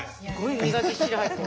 身がぎっしり入ってる。